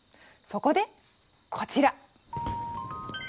そこでこちら。